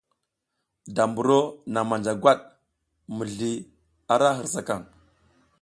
Da mburo naŋ manja gwat mizli ra hirsakaŋ.